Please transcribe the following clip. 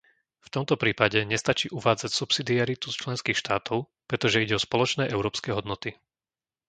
V tomto prípade nestačí uvádzať subsidiaritu členských štátov, pretože ide o spoločné európske hodnoty.